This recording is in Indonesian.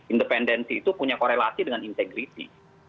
independensi itu punya korelasi dengan integriti